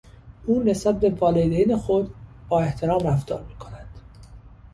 او نسبت به والدین خود با احترام رفتار میکند.